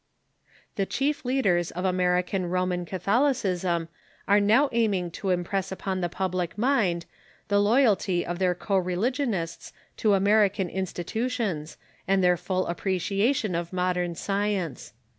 The chief leaders of American Roman Catholicism are now aiming to impress upon the public mind the loyalty of their co religionists to American institutions and their full appreciation of modern science.